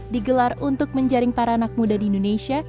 digelar untuk menjaring para anak muda di indonesia